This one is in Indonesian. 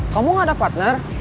kamu gak ada partner